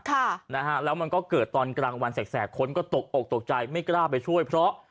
ค่ะนะฮะแล้วมันก็เกิดตอนกลางวันแสกคนก็ตกอกตกใจไม่กล้าไปช่วยเพราะ